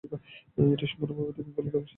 এটি সম্পূর্ণভাবে দক্ষিণ গোলার্ধে অবস্থিত।